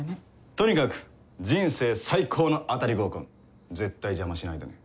とにかく人生最高の当たり合コン絶対邪魔しないでね。